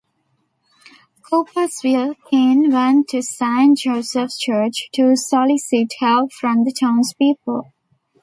Cooper's Will Kane went to Saint Joseph's Church to solicit help from the townspeople.